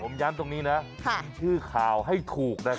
ผมย้ำตรงนี้นะมีชื่อข่าวให้ถูกนะครับ